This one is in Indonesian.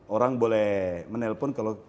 orang boleh menelpon kalau